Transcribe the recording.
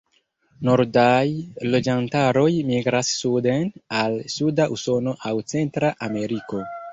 Nordaj loĝantaroj migras suden al suda Usono aŭ Centra Ameriko.